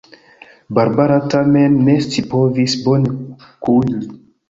Barbara tamen ne scipovis bone kuiri.